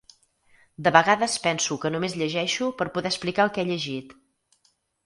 De vegades penso que només llegeixo per poder explicar el que he llegit.